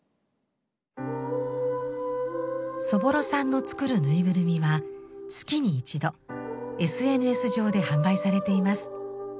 そぼろさんの作るぬいぐるみは月に一度ＳＮＳ上で販売されています。